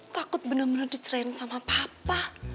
takut bener bener dicerain sama papa